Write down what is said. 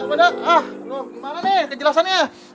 gimana nih kejelasannya